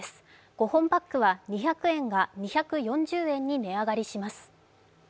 ５本パックは２００円が２４０円に値上がりします。